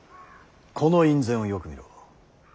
この院宣をよく見ろ。